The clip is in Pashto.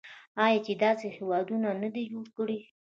آیا چې داسې هیواد یې نه دی جوړ کړی؟